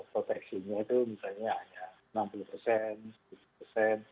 proteksinya itu misalnya hanya